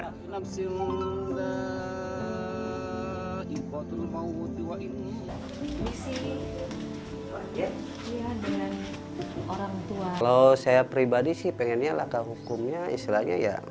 tapi suatu janji kerajaan nya